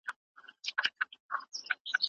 مور د ماشوم د خوندي خوب چاپېريال جوړوي.